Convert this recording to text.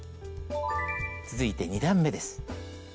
続いて２段めです。